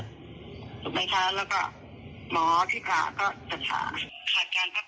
คุณหมอก็จะเป็นคนชี้ในข้อที่คุณแม่สงสัยใช่ไหม